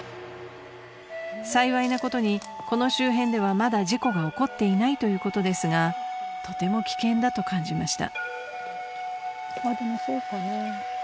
［幸いなことにこの周辺ではまだ事故が起こっていないということですがとても危険だと感じました］